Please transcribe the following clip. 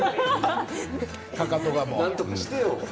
なんとかしてよ。